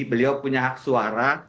beliau punya hak suara